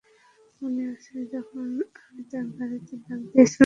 মনে আছে যখন আমি তার গাড়িতে দাগ দিয়েছিলাম?